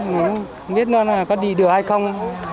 nó còn không biết nó có đi được hay không